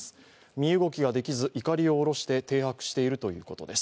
身動きができず、いかりを降ろして停泊しているということです。